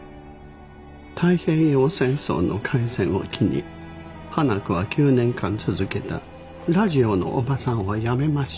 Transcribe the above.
太平洋戦争の開戦を機に花子は９年間続けたラジオのおばさんを辞めました。